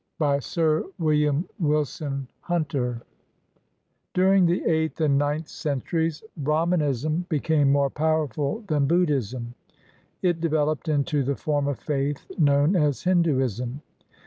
BY SIR WILLIAM WILSON HUNTER [During the eighth and ninth centuries, Brahmanism be came more powerful than Buddhism. It developed into the form of faith known as Hinduism.